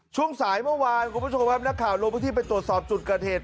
ช่วงสายเมื่อวานคุณผู้ชมครับนักข่าวลงพื้นที่ไปตรวจสอบจุดเกิดเหตุ